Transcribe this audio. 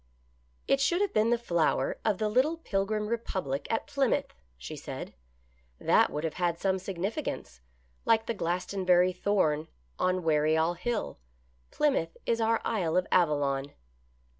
It should have been the flower of the little 104 THE pilgrims' EASTER LILY. 105 Pilgrim Republic at Plymouth," she said. " That would have had some significance, like the Glastonbury Thorn on Weary All Hill ; Plymouth is our Isle of Avallon."